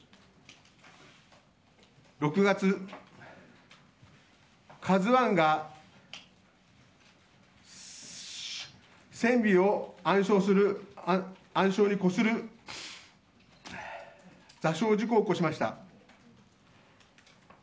６月、「ＫＡＺＵ１」が船尾を暗礁にこする座礁事故を起こしました。